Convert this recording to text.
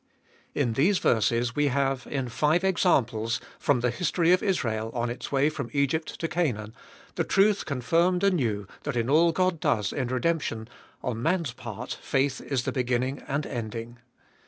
IN these verses we have, in five examples, from the history of Israel on its way from Egypt to Canaan, the truth confirmed anew that in all that God does in redemption, on man's part faith is the beginning and ending.